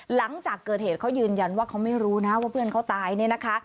หลังจากเกิดเหตุเขายืนยันว่าเขาไม่รู้นะว่าเพื่อนเขาตายเนี่ยนะคะ